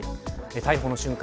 逮捕の瞬間